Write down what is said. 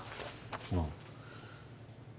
ああ。